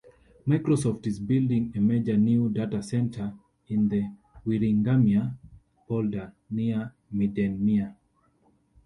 Microsoft is building a major new datacenter in the Wierengermeer polder near Middenmeer.